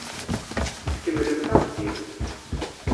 Kemmlemt axeddim!